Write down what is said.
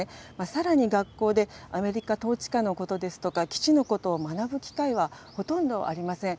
さらに、学校でアメリカ統治下のことですとか、基地のことを学ぶ機会はほとんどありません。